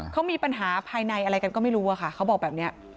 เขามีปัญหาภายในอะไรกันก็ไม่รู้อะค่ะเขาบอกแบบนี้